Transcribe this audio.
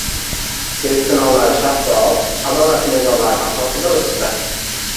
Test sinovlari shaffof, adolat mezonlari asosida o‘tdi